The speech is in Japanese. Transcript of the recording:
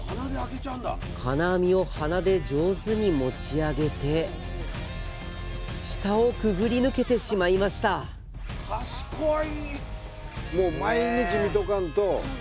金網を鼻で上手に持ち上げて下をくぐり抜けてしまいました賢い！